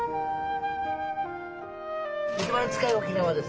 一番近い沖縄です。